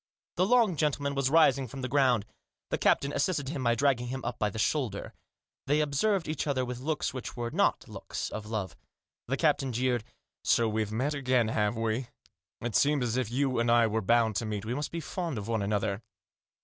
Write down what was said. The long gentleman was rising from the ground. The captain assisted him by dragging him up by the shoulder. They observed each other with looks which were not looks of love. The captain jeered. u So we've met again, have we ? It seems as if you and I were bound to meet. We must be fond of one another.